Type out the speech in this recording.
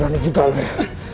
berani juga lo ya